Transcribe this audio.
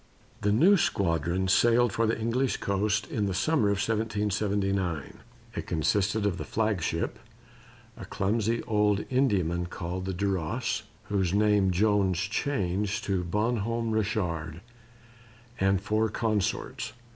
The new squadron sailed for the English coast in the summer of 1779. It consisted of the flagship a clumsy old Indiaman called the Duras, whose name Jones changed to Bon Homme Richard and four consorts.